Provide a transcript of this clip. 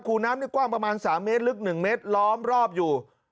ูน้ำนี่กว้างประมาณ๓เมตรลึก๑เมตรล้อมรอบอยู่